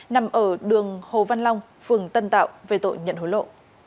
nằm ở đường hồ văn long phường tân tạo về tội nhận hối lộ